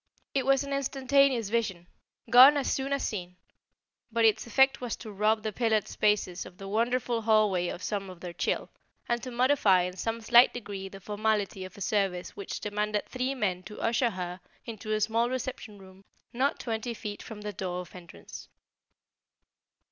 It was an instantaneous vision, gone as soon as seen; but its effect was to rob the pillared spaces of the wonderful hallway of some of their chill, and to modify in some slight degree the formality of a service which demanded three men to usher her into a small reception room not twenty feet from the door of entrance.